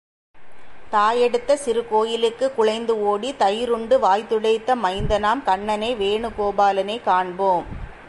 தாயெடுத்த சிறு கோலுக்குக் குழைந்து ஓடி, தயிர் உண்டு வாய் துடைத்த மைந்தனாம் கண்ணனை வேணு கோபாலனாகக் காண்போம்.